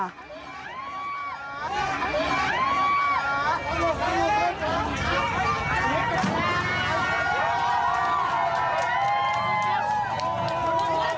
โอ้โฮ